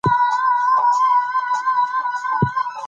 هغه نظام چې ولس پکې ځان نه ویني دوام نه کوي